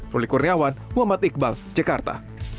ruli kurniawan muhammad iqbal jakarta